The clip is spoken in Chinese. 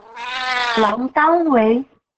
朗丹韦。